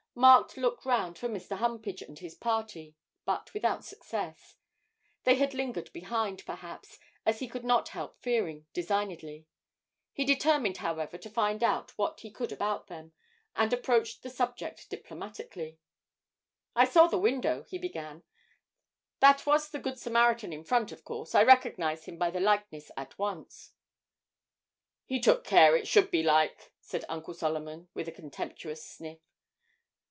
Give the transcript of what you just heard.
Mark looked round for Mr. Humpage and his party, but without success; they had lingered behind, perhaps, as he could not help fearing, designedly. He determined, however, to find out what he could about them, and approached the subject diplomatically. 'I saw the window,' he began; 'that was the Good Samaritan in front, of course. I recognised him by the likeness at once.' 'He took care it should be like,' said Uncle Solomon, with a contemptuous sniff.